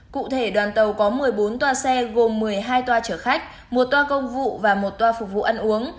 cụ thể đoàn tàu có một mươi bốn toa xe gồm một mươi hai toa chở khách một toa công vụ và một toa phục vụ ăn uống